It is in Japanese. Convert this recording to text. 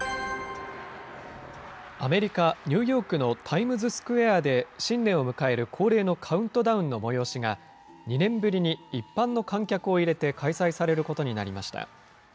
アメリカ・ニューヨークのタイムズスクエアで新年を迎える恒例のカウントダウンの催しが、２年ぶりに一般の観客を入れて開催されることになりました。